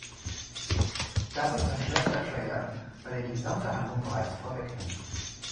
Das ist ein schlechter Trailer, weil er die gesamte Handlung bereits vorwegnimmt.